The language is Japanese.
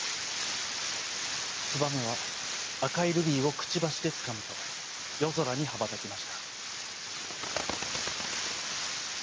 ツバメはあかいルビーをくちばしでつかむとよぞらにはばたきました。